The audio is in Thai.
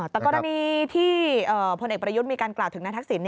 และก็ทางนี้ที่พลเอกประยุทธ์มีการกลับถึงในทักษิณ